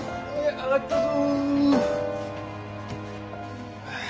上がったぞ。